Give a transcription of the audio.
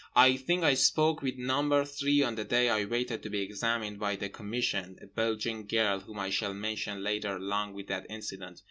I think I spoke with number three on the day I waited to be examined by the Commission—a Belgian girl, whom I shall mention later along with that incident.